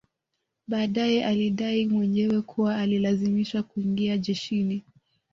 Baadae alidai mwenyewe kuwa alilazimishwa kuingia jeshini